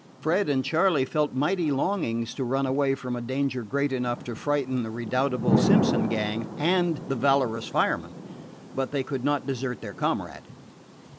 Fred and Charley felt mighty longings to run away from a danger great enough to frighten the redoubtable Simpson gang and the valorous fireman, but they could not desert their comrade.